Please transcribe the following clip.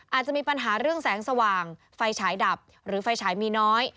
อาจจะมีปัญหาเรื่องแสงสว่างไฟฉายดับหรือไฟฉายมีน้อย